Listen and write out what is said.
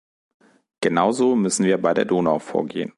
Genauso müssen wir bei der Donau vorgehen.